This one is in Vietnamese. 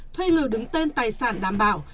thuê người đứng tên tài sản đảm bảo